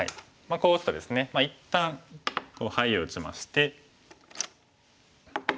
こう打つとですね一旦ハイを打ちまして。